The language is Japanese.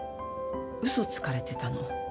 嘘つかれてたの。